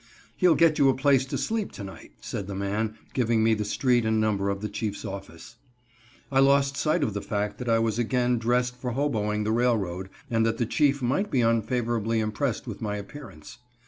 "He'll get you a place to sleep to night," said the man, giving me the street and number of the Chief's office. I lost sight of the fact that I was again dressed for hoboing the railroad, and that the chief might be unfavorably impressed with my appearance.